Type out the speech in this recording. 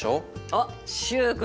おっ習君